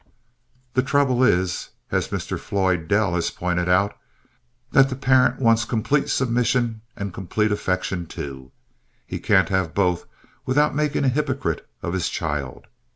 The trouble is, as Mr. Floyd Dell has pointed out, that the parent wants complete submission and complete affection too. He can't have both without making a hypocrite of his child.